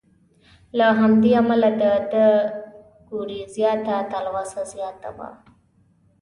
له همدې امله د ده ګورېزیا ته تلوسه زیاته وه.